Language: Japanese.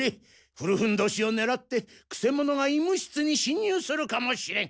古ふんどしをねらってくせ者が医務室にしん入するかもしれん。